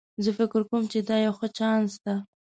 زه فکر کوم چې دا یو ښه چانس ده